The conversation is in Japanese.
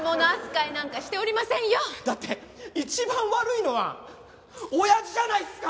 だって一番悪いのは親父じゃないっすか！